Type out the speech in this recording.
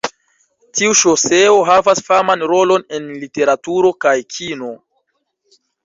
Tiu ŝoseo havas faman rolon en literaturo kaj kino.